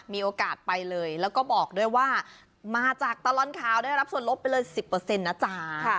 มีโอกาสไปเลยแล้วก็บอกด้วยว่ามาจากตลอดข่าวได้รับส่วนลบไปเลย๑๐นะจ๊ะ